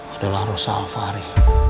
adalah rosa alvari